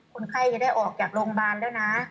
คนไข้จะได้ออกจากโรงพยาบาลแล้วนะ